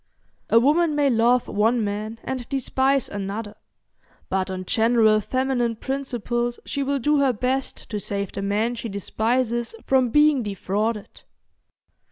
A woman may love one man and despise another, but on general feminine principles she will do her best to save the man she despises from being defrauded.